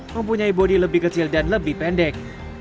mempunyai bodi lebih kecil dan lebih pendek